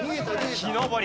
木登り。